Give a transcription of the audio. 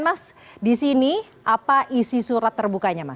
mas di sini apa isi surat terbukanya mas